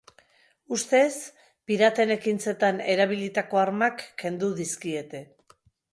Ustez, piraten ekintzetan erabilitako armak kendu dizkiete.